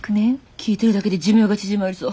聞いてるだけで寿命が縮まりそう。